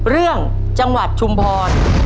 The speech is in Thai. เรื่องจังหวัดชุมพร